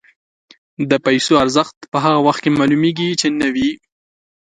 د پیسو ارزښت په هغه وخت کې معلومېږي چې نه وي.